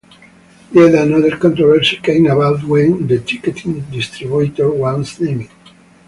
Yet another controversy came about when the ticketing distributor was named.